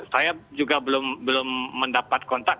saya juga belum mendapat kontak